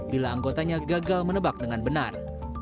bila anggotanya gagal menebak dengan benar